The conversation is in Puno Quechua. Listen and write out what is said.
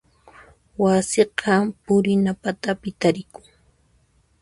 Wasiqa purina patapi tarikun.